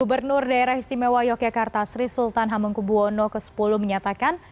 gubernur daerah istimewa yogyakarta sri sultan hamengkubwono x menyatakan